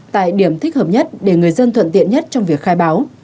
tại điểm thích hợp nhất để người dân thuận tiện nhất trong việc khai báo